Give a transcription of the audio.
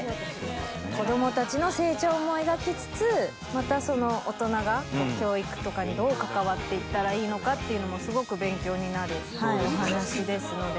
子供たちの成長も描きつつまたその大人が教育とかにどう関わって行ったらいいのかっていうのもすごく勉強になるお話ですので。